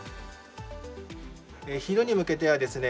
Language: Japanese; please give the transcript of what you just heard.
昼に向けてはですね